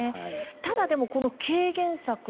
ただこの軽減策